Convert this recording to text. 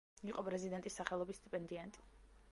იყო პრეზიდენტის სახელობის სტიპენდიანტი.